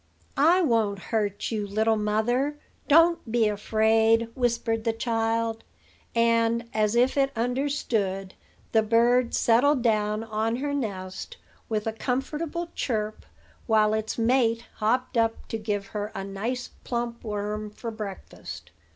"I won't hurt you, little mother. Don't be afraid," whispered the child; and, as if it understood, the bird settled down on her nest with a comfortable chirp, while its mate hopped up to give her a nice plump worm for breakfast.